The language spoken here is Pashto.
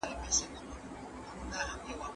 څنګه د جاپان له بانکونو څخه افغانستان ته پیسې راځي؟